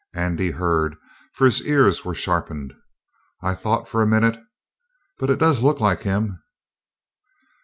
Andy heard, for his ears were sharpened: "I thought for a minute But it does look like him!"